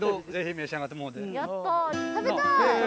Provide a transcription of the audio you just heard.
やった食べたい！